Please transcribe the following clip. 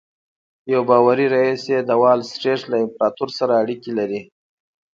یو باوري ريیس یې د وال سټریټ له امپراتور سره اړیکې لري